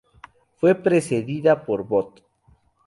Fue precedida por "Bot.